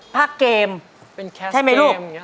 พักเกมใช่ไหมลูก